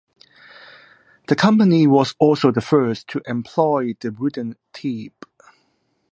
The company was also the first to employ the wooden tip.